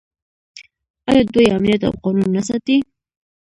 آیا دوی امنیت او قانون نه ساتي؟